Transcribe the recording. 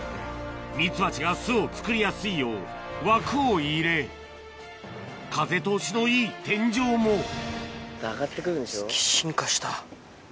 ミツバチが巣を作りやすいよう枠を入れ風通しのいい天井も上がって来るんでしょ。